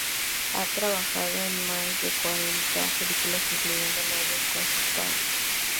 Ha trabajado en más de cuarenta películas, incluyendo nueve con su padre.